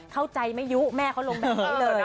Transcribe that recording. เข้าใจไม่ยุแม่เขาลงแบบนี้เลยนะ